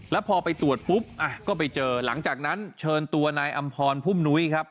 แล้วพอไปตรวจปุ๊บก็ไปเจอหลังจากนั้นเชิญตัวนายอำพรพุ่มนุ้ยครับ